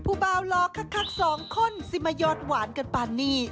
ผู้บ่าวลอคักสองคนซิมายอดหวานกันป่านี่